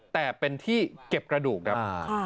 แต่เป็นที่เก็บกระดูกครับ